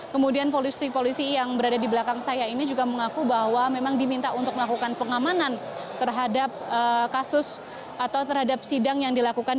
kemudian polisi polisi yang berada di belakang saya ini juga mengaku bahwa memang diminta untuk melakukan pengamanan terhadap kasus atau terhadap sidang yang dilakukan